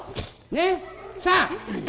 ねっ。さあ！」。